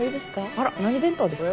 あら何弁当ですか？